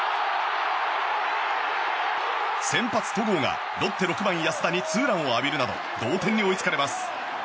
先発、戸郷がロッテ６番、安田にツーランを浴びるなど同点に追いつかれます。